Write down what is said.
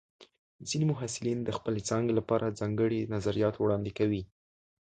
ځینې محصلین د خپلې څانګې لپاره ځانګړي نظریات وړاندې کوي.